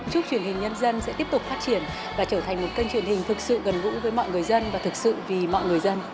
chúc truyền hình nhân dân sẽ tiếp tục phát triển và trở thành một kênh truyền hình thực sự gần gũi với mọi người dân và thực sự vì mọi người dân